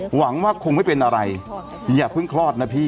หวังว่าคงไม่เป็นอะไรอย่าเพิ่งคลอดนะพี่